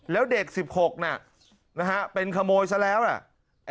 แล้วเด็ก๑๖น่ะนะฮะเป็นขโมยซะแล้วนะ